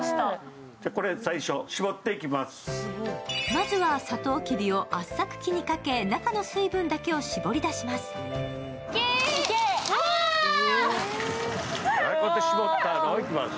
まずはサトウキビ圧搾器にかけ中の水分だけを絞り出していきます。